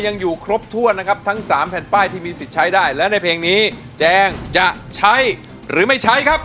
ยังอยู่ครบถ้วนนะครับทั้งสามแผ่นป้ายที่มีสิทธิ์ใช้ได้และในเพลงนี้แจงจะใช้หรือไม่ใช้ครับ